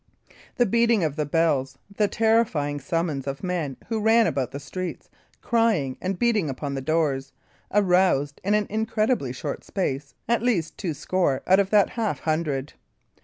The beating of the bells, the terrifying summons of men who ran about the streets crying and beating upon the doors, aroused in an incredibly short space at least two score out of that half hundred.